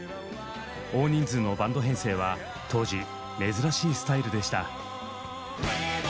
大人数のバンド編成は当時珍しいスタイルでした。